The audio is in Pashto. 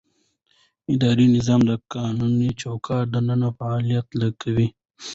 اداري نظام د قانوني چوکاټ دننه فعالیت کوي.